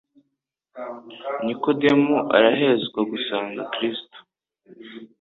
Nikodemu areherezwa gusanga Kristo